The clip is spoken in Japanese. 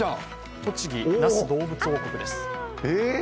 栃木、那須どうぶつ王国です。